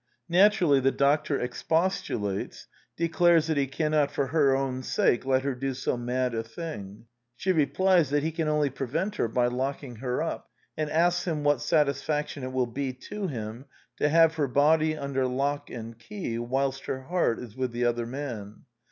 Naturally the doctor expostulates — declares that he cannot for her own sake let her do so mad a thing. She rei)lies that he can only prevent her by locking her up, and asks him what' satisfaction it will be to him to have her body under lock and key whilst her heart is with the other man.